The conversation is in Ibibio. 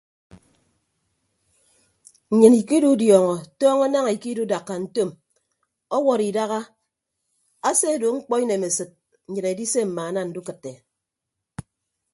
Nnyịn ikidudiọñọ tọñọ naña ikidudakka ntom ọwọd idaha ase ado mkpọ inemesịd nnyịn edise mmaana ndukịtte.